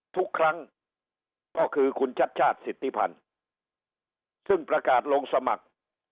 ทุกครั้งก็คือคุณชัดชาติสิทธิพันธ์ซึ่งประกาศลงสมัคร